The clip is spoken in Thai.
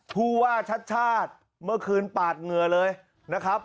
ผู้ว่าชัดชาติเมื่อคืนปาดเหงื่อเลยนะครับ